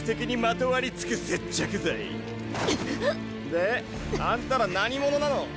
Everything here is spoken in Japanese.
であんたら何者なの？